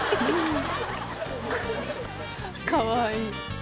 かわいい。